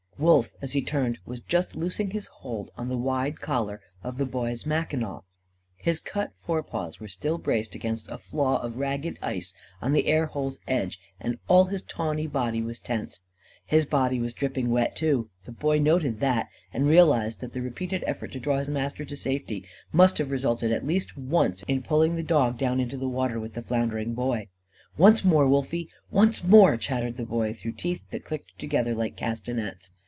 Wolf, as he turned, was just loosing his hold on the wide collar of the Boy's mackinaw. His cut forepaws were still braced against a flaw of ragged ice on the air hole's edge, and all his tawny body was tense. His body was dripping wet, too. The Boy noted that; and he realised that the repeated effort to draw his master to safety must have resulted, at least once, in pulling the dog down into the water with the floundering Boy. "Once more, Wolfie! Once more!" chattered the Boy through teeth that clicked together like castanets.